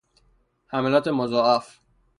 حملات مضاعف